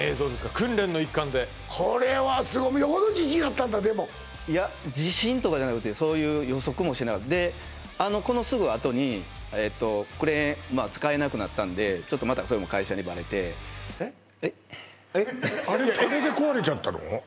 訓練の一環でこれはすごいよほど自信あったんだでもいや自信とかじゃなくてそういう予測もしなかったであのこのすぐあとにえっとクレーン使えなくなったんでちょっとまたそれも会社にバレてあれで壊れちゃったの？